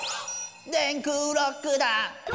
「電空ロックだ」